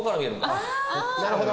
なるほど。